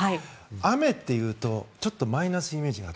雨っていうとちょっとマイナスイメージ。